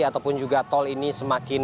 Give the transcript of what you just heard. ataupun juga tol ini semakin